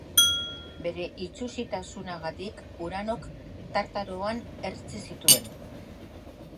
Bere itsusitasunagatik, Uranok Tartaroan hertsi zituen.